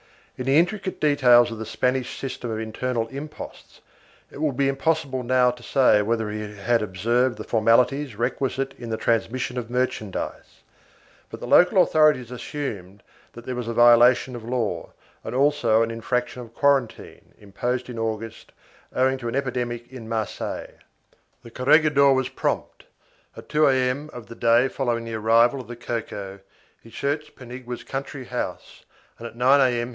In the intricate details of the Spanish system of internal imposts, it would be impossible now to say whether he had observed the formalities requisite in the transmission of merchandise, but the local authorities assumed that there was a violation of law and also an infraction of quaran tine, imposed in August, owing to an epidemic in Marseilles. The corregidor was prompt; at 2 A.M. of the day following the arrival of the cocoa, he searched Paniagua's country house and at 9 A.M.